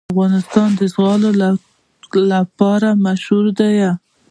افغانستان د زغال لپاره مشهور دی.